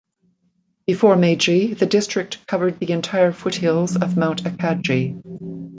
Before Meiji, the district covered the entire foothills of Mount Akagi.